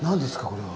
これは。